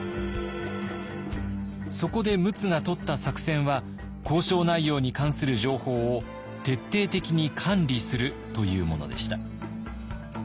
そこで陸奥がとった作戦は交渉内容に関する情報を徹底的に管理するというものでした。